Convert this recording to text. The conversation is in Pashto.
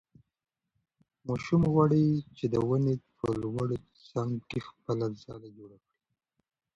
ماشوم غواړي چې د ونې په لوړو څانګو کې خپله ځاله جوړه کړي.